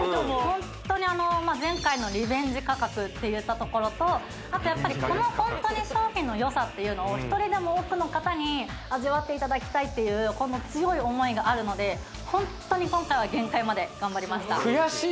ホントに前回のリベンジ価格っていったところとあとやっぱりこのホントに商品のよさっていうのを一人でも多くの方に味わっていただきたいっていうこの強い思いがあるのでホントに今回は限界まで頑張りました